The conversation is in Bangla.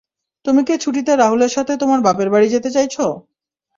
তুমি কি ছুটিতে রাহুলের সাথে তোমার বাপের বাড়ি যেতে চাইছো?